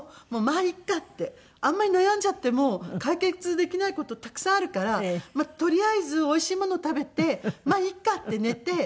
あんまり悩んじゃっても解決できない事たくさんあるからとりあえずおいしいものを食べてまあいいかって寝て。